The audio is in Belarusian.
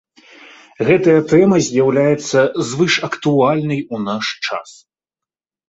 Гэтая тэма з'яўляецца звышактуальнай у наш час.